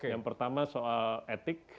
yang pertama soal etik